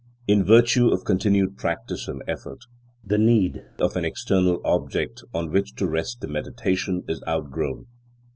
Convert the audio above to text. In virtue of continued practice and effort, the need of an external object on which to rest the meditation is outgrown.